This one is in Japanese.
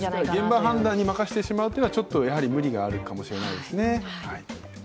現場判断に任せてしまうというのはちょっと無理があるかもしれないですね。